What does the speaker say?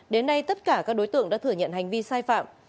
đến nay tất cả các đối tượng đã thừa nhận hành vi sai phạm